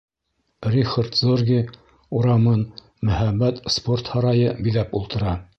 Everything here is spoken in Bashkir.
Рихард Зорге урамын мөһәбәт Спорт һарайы биҙәп ултыра.